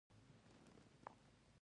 کیمیا د موادو پوهنه ده